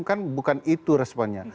kan bukan itu responnya